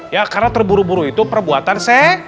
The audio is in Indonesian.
ya karena terburu buru itu perbuatan saya